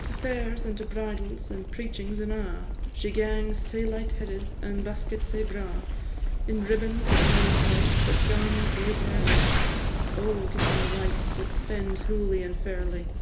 To fairs, and to bridals, and preachings an' a', She gangs sae light headed, and buskit sae braw, In ribbons and mantuas, that gar me gae barely. O gin my wife wad spend hooly and fairly!